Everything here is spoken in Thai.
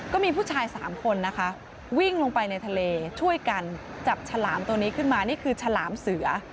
ก็มีผู้ชาย๓คนนะคะวิ่งลงไปในทะเลช่วยกันจับฉลามตัวนี้ขึ้นมานี่คือฉลามเสือ